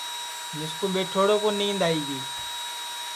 مِسکُو ٻیٹھوڑے کُو نِینٚدؔ آئی گی